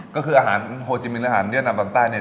ก็คืออาหารโฮจิมินอาหารเวียดนามตอนใต้เนี่ย